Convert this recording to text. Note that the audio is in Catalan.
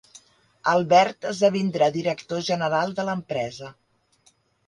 Albert esdevindrà director general de l'empresa.